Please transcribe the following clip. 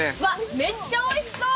めっちゃおいしそう。